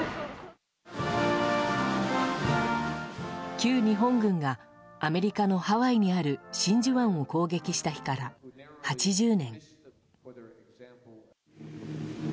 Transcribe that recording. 旧日本軍がアメリカのハワイにある真珠湾を攻撃した日から８０年。